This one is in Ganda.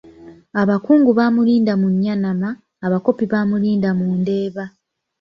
Abakungu baamulinda mu Nnyanama, Abakopi baamulinda mu Ndeeba.